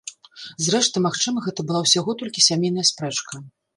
Зрэшты, магчыма, гэта была ўсяго толькі сямейная спрэчка.